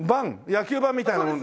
野球盤みたいなもの。